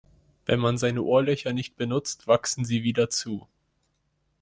Wenn man seine Ohrlöcher nicht benutzt, wachsen sie wieder zu.